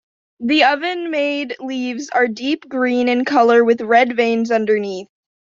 The oven-made leaves are deep green in color with red veins underneath.